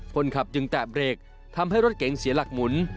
คนขับจึงแตะเบรกทำให้รถเก๋งเสียหลักหมุน